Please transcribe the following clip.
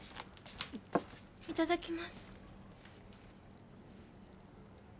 いいただきます。